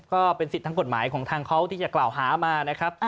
ก็เป็นสิทธิ์ทางกฎหมายของทางเขาที่จะกล่าวหามานะครับ